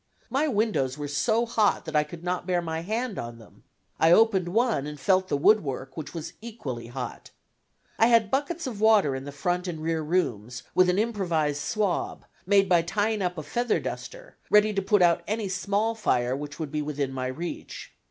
My windows were so hot that I could not bear my hand on them. I opened one and felt the woodwork, which was equally hot. I had buckets of water in the front and rear rooms, with an improvised swab, made by tying up a feather duster, ready to put out any small fire which would be within my reach.